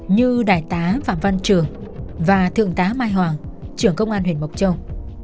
như đại tá phạm văn trường và thượng tá mai hoàng trưởng công an huyện mộc châu